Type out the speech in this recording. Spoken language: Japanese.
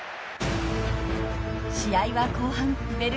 ［試合は後半］